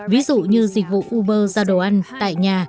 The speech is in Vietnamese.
ví dụ như dịch vụ uber ra đồ ăn tại nhà